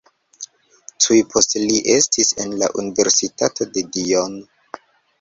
Tuj poste li estis en la Universitato de Dijon.